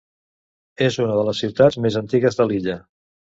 És una de les ciutats més antigues de l'illa.